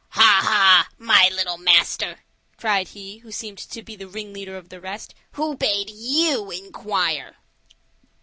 "Ha! ha! my little master," cried he who seemed to be the ringleader of the rest, "who bade you inquire?"